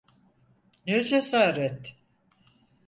Ne cesaret!